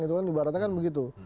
itu kan ibaratnya kan begitu